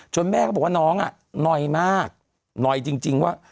แม่ก็บอกว่าน้องหน่อยมากหน่อยจริงว่า